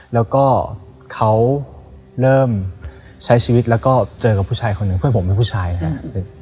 แล้วก็เขาเริ่มใช้ชีวิตแล้วก็เจอกับผู้ชายคนหนึ่งเพื่อนผมเป็นผู้ชายครับ